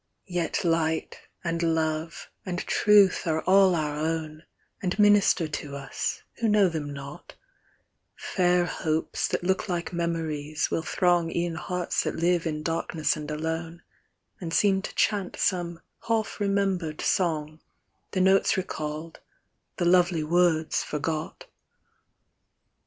Yet Light, and Love, and Truth are all our own, And minister to us, who know them not ; Fair hopes, that look like memories, will throng E'en hearts that live in darkness and alone, And seem to chant some half remembered song, The notes recalled, the lovely words forgot.